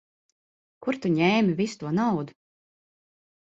Kur tu ņēmi visu to naudu?